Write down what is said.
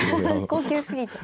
高級すぎて。